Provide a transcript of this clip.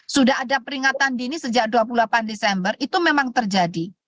sudah ada peringatan dini sejak dua puluh delapan desember itu memang terjadi